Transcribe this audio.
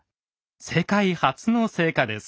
世界初の成果です。